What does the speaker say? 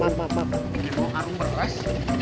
ini kok arum beres